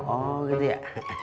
oh gitu ya